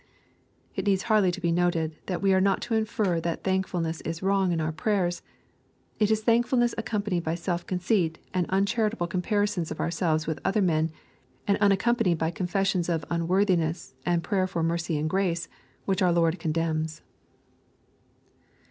It needs hardly be nated, that we are not to infer that thank fulness is wrong in our prayers. It is thankfulness accompanied by self conceit, and uncharitable comparisons of ourselves with other men, and unaccompanied by confessions of unworthineas, and prayer for mercy and grace, which our Lord condemns.